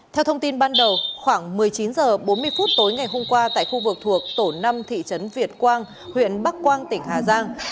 theo thông tin ban đầu khoảng một mươi chín h bốn mươi phút tối ngày hôm qua tại khu vực thuộc tổ năm thị trấn việt quang huyện bắc quang tỉnh hà giang